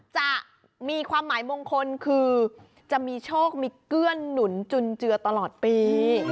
จะมีความหมายมงคลคือจะมีโชคมีเกื้อนหนุนจุนเจือตลอดปี